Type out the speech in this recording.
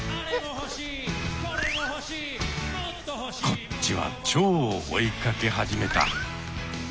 こっちはチョウを追いかけ始めた。